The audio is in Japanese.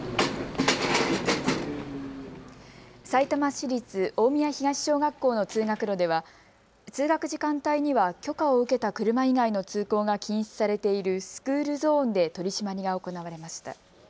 さいたま市立大宮東小学校の通学路では通学時間帯には許可を受けた車以外の通行が禁止されているスクールゾーンで取締りが行われました。